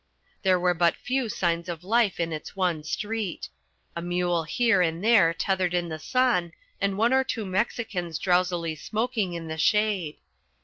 There were but few signs of life in its one street a mule here and there tethered in the sun, and one or two Mexicans drowsily smoking in the shade.